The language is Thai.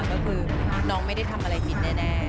ก็คือน้องไม่ได้ทำอะไรผิดแน่